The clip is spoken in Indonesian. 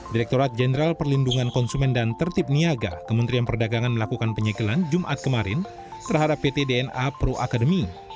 direkturat jenderal perlindungan konsumen dan tertib niaga kementerian perdagangan melakukan penyegelan jumat kemarin terhadap pt dna pro academy